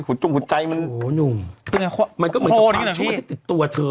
ขุดจุ่มขุดใจมันเนี่ยโหน่ง๑๒๐เยอะแล้วยังไงมันก็เหมือนกับจมปังช่วงว่าที่ติดตัวเถอะ